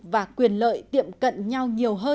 và quyền lợi tiệm cận nhau